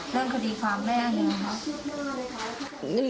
เรื่องคดีความแม่อย่างนี้ครับ